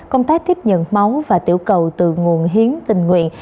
công tác tiếp nhận máu và tiểu cầu từ nguồn hiến tình nguyện